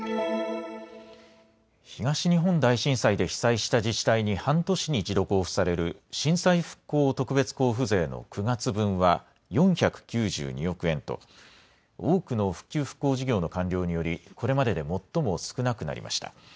東日本大震災で被災した自治体に半年に一度交付される震災復興特別交付税の９月分は４９２億円と多くの復旧・復興事業の完了によりこれまでで最も少なくなりました。